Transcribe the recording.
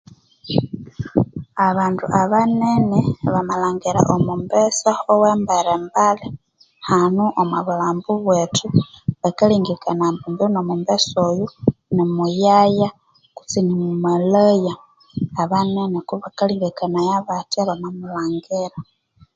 Abandu abanene bamalhangira omumbesa owambere embali hanu omwa bulhambo bwethu bakalengekanaya ambu mbwino omumbesa oyo nimuyaya kutse nimumalaya abanene kubakalengekanaya batya bamamulhangira.